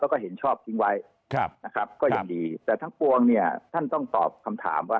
แล้วก็เห็นชอบทิ้งไว้นะครับก็ยังดีแต่ทั้งปวงเนี่ยท่านต้องตอบคำถามว่า